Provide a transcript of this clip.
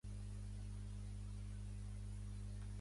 Lewis era un dels jugadors més ràpids del Big Ten.